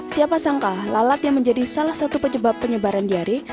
siapa sangka lalat yang menjadi salah satu penyebab penyebaran diare